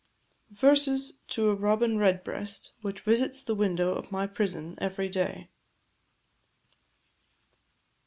VERSES TO A ROBIN RED BREAST, WHICH VISITS THE WINDOW OF MY PRISON EVERY DAY.